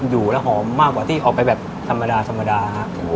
อยู่แล้วหอมมากกว่าที่ออกไปแบบธรรมดา